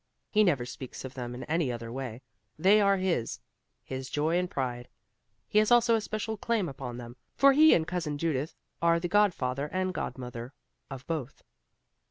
He never speaks of them in any other way; they are his, his joy and pride. He has also a special claim upon them, for he and Cousin Judith are the god father and god mother of both.